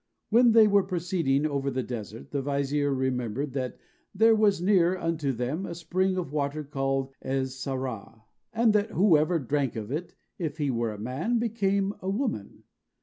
When they were proceeding over the desert, the vizier remembered that there was near unto them a spring of water called Ez zahra, and that whosoever drank of it, if he were a man, became a woman.